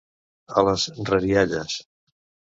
A les rerialles.